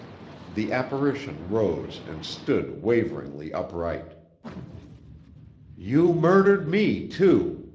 The apparition rose and stood waveringly upright. "You murdered me, too!"